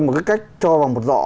một cách cho vào một rõ